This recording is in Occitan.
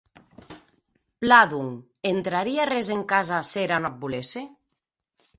Plan, donc, entrarie arrés ena casa s’era non ac volesse?